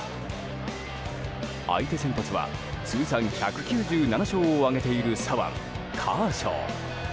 相手先発は通算１９７勝を挙げている左腕カーショー。